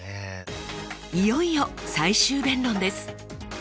いよいよ最終弁論です！